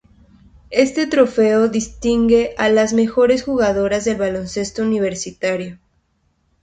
Este trofeo distingue a las mejores jugadoras de baloncesto universitario.